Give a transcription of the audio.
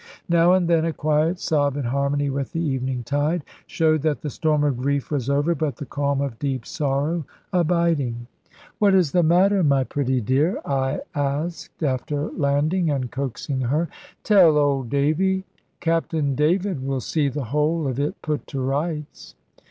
Now and then a quiet sob, in harmony with the evening tide, showed that the storm of grief was over, but the calm of deep sorrow abiding. "What is the matter, my pretty dear?" I asked, after landing, and coaxing her. "Tell old Davy; Captain David will see the whole of it put to rights."